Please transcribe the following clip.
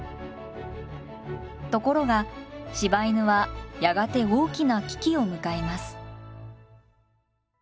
ところが柴犬はやがて大きな危機を迎えます。